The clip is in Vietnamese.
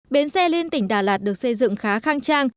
bến xe liên tỉnh đà lạt được xây dựng khá khang trang